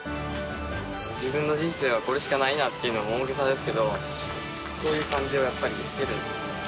自分の人生はこれしかないなって、大げさですけど、そういう感じはやっぱり。